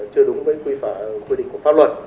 chưa đúng với quy định của pháp luật